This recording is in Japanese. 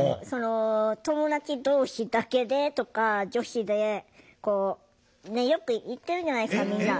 友達同士だけでとか女子でこうよく行ってるじゃないですかみんな。